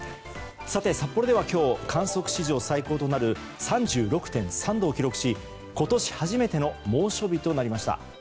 札幌では今日、観測史上最高となる３６．３度を記録し今年初めての猛暑日となりました。